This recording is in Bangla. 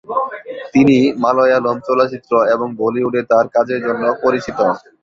তিনি মালয়ালম চলচ্চিত্র এবং বলিউডে তাঁর কাজের জন্য পরিচিত।